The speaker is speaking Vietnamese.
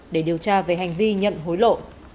để điều tra về hành vi nhận hối lộ